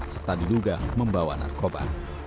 serta diduga membawa narkoba